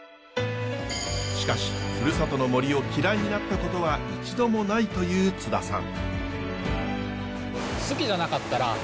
しかしふるさとの森を嫌いになったことは一度もないという津田さん。